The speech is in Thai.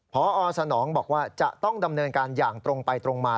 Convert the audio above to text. พอสนองบอกว่าจะต้องดำเนินการอย่างตรงไปตรงมา